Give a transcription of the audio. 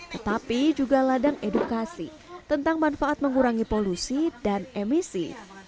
tetapi juga ladang edukasi tentang manfaat mengurangi polusi dan emisi